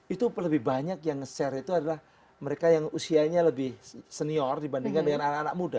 itu lebih banyak yang nge share itu adalah mereka yang usianya lebih senior dibandingkan dengan anak anak muda